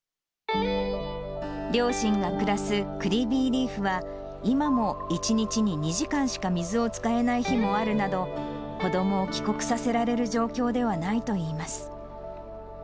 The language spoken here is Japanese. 両親が暮らすクリビーリーフは、今も１日に２時間しか水を使えない日もあるなど、子どもを帰国させられる状況ではないといいます。